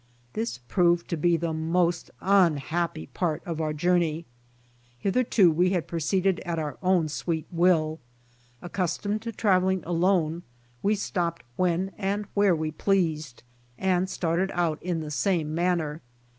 This proved to be the most unhappy part of our journey. Hitherto we had proceeded at our own sweet will. Accustomed to traveling alone, we stopped when and where we pleased, and started out in the same manner.